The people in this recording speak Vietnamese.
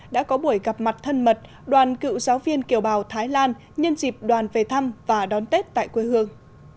đã có buổi gặp mặt thân mật đoàn cựu giáo viên kiều bào thái lan nhân dịp đoàn về thăm và đón tết tại quê hương